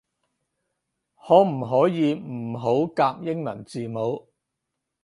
可唔可以唔好夾英文字母